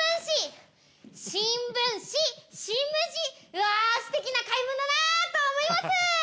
うわぁすてきな回文だなと思います。